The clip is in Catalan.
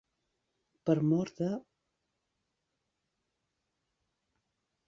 Per mor de.